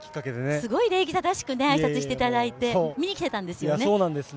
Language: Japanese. すごい礼儀正しく挨拶していただいて、見に来てたんですよね